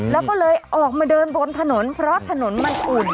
แล้วก็เลยออกมาเดินบนถนนเพราะถนนมันอุ่น